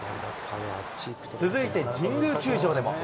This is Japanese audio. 続いて神宮球場でも。